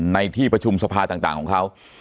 ในที่ประชุมสภาต่างของเขา